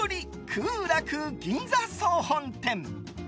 ふ楽銀座総本店。